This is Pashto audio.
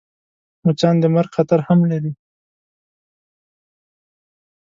مچان د مرګ خطر هم لري